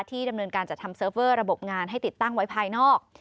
ดำเนินการจัดทำเซิร์ฟเวอร์ระบบงานให้ติดตั้งไว้ภายนอก